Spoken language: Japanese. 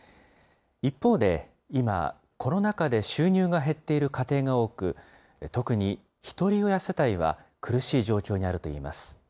一方で、今、コロナ禍で収入が減っている家庭が多く、特にひとり親世帯は苦しい状況にあるといいます。